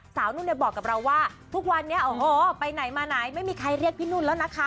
นุ่นเนี่ยบอกกับเราว่าทุกวันนี้โอ้โหไปไหนมาไหนไม่มีใครเรียกพี่นุ่นแล้วนะคะ